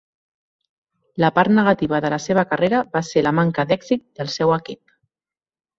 La part negativa de la seva carrera va ser la manca d'èxit del seu equip.